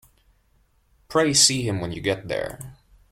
Pray see him when you get there.